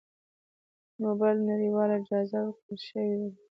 د نوبل نړیواله جایزه ورکړی شوې ده.